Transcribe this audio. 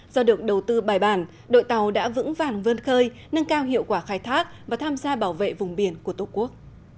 do được đầu tư bài bản đội tàu đã vững vàng vơn khơi nâng cao hiệu quả khai thác và tham gia bảo vệ vùng biển của tổ quốc